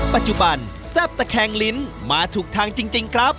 ปัจจุบันแซ่บตะแคงลิ้นมาถูกทางจริงครับ